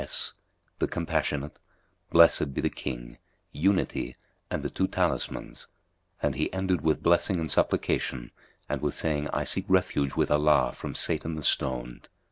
S.;" "The Compassionate," "Blessed be the King," "Unity" and "The two Talismans''[FN#237]; and he ended with blessing and supplication and with saying, "I seek refuge with Allah from Satan the stoned."